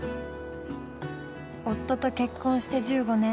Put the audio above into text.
夫と結婚して１５年。